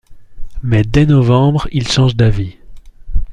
Mais dès novembre, il change d'avis.